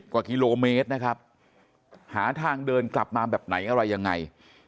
กว่ากิโลเมตรนะครับหาทางเดินกลับมาแบบไหนอะไรยังไง